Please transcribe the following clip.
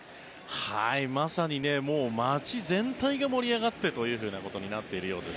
まさにもう、街全体が盛り上がってということになっているようです